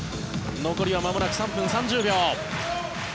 残りはまもなく３分３０秒。